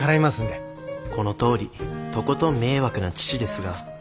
このとおりとことん迷惑な父ですが。